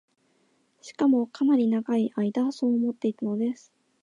しかも、かなり永い間そう思っていたのです